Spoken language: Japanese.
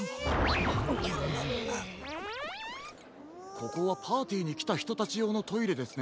ここはパーティーにきたひとたちようのトイレですね。